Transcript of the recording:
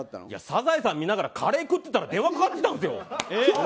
サザエさん見ながらカレー食ってたら電話かかってきたんですよ。